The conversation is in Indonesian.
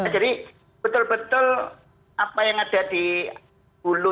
jadi betul betul apa yang ada di hulu